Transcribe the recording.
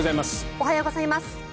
おはようございます。